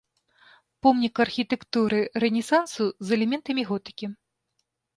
Помнік архітэктуры рэнесансу з элементамі готыкі.